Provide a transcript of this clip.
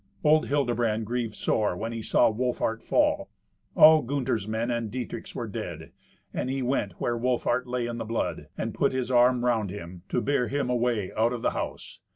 Old Hildebrand grieved sore when he saw Wolfhart fall. All Gunther's men and Dietrich's were dead, and he went where Wolfhart lay in the blood, and put his arm round him to bear him away out of the house.